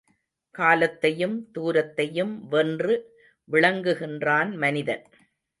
காலத்தையும் தூரத்தையும் வென்று விளங்குகின்றான் மனிதன்!